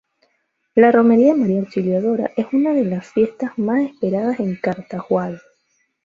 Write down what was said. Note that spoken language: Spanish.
La Romería de María Auxiliadora es una de las fiestas más esperadas en Cartaojal.